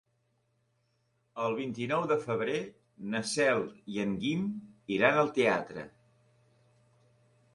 El vint-i-nou de febrer na Cel i en Guim iran al teatre.